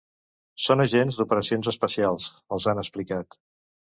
Són agents d’operacions especials, els han explicat.